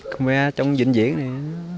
con mẹ trong vĩnh viễn này